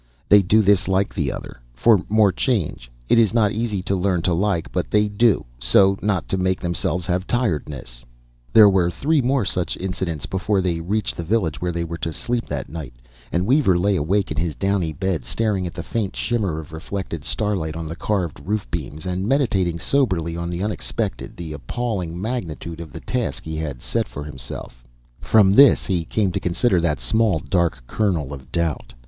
"They do this like the other, for more change. Is not easy to learn to like, but they do, so not to make themselves have tiredness." There were three more such incidents before they reached the village where they were to sleep that night; and Weaver lay awake in his downy bed, staring at the faint shimmer of reflected starlight on the carved roof beams, and meditating soberly on the unexpected, the appalling magnitude of the task he had set himself. From this, he came to consider that small dark kernel of doubt.